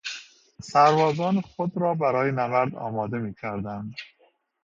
سربازان خود را برای نبرد آماده میکردند.